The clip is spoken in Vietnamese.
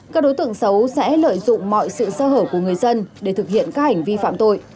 các đối tượng xấu sẽ lợi dụng mọi sự sơ hở của người dân để thực hiện các hành vi phạm tội